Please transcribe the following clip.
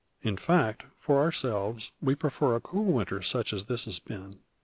In fact, for ourselves, we prefer a cool winter such as this has been.